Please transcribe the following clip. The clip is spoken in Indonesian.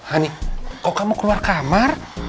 hanik kok kamu keluar kamar